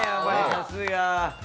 さすが。